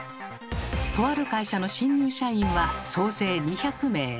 とある会社の新入社員は総勢２００名。